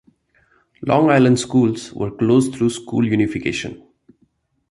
Long Island schools were closed through school unification.